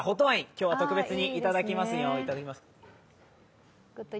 今日は特別に、いただきます。